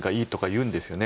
言うんですよね